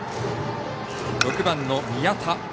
６番の宮田。